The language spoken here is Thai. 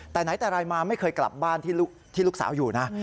แต่ไหนแต่ไรมาไม่เคยกลับบ้านที่ลูกสาวอยู่นะ